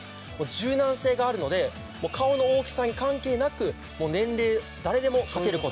柔軟性があるので顔の大きさに関係なく年齢誰でもかける事ができます。